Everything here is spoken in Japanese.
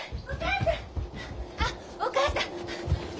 あっお母さん！